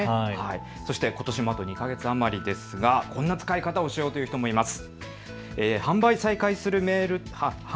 そしてことしもあと２か月余りですが、こんな使い方をしようという方もいます。